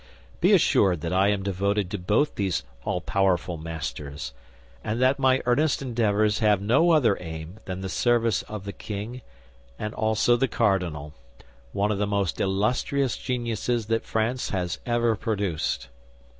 Be assured that I am devoted to both these all powerful masters, and that my earnest endeavors have no other aim than the service of the king, and also the cardinal—one of the most illustrious geniuses that France has ever produced.